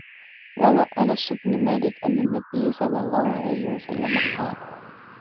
رَوَى أَنَسُ بْنُ مَالِكٍ أَنَّ النَّبِيَّ صَلَّى اللَّهُ عَلَيْهِ وَسَلَّمَ قَالَ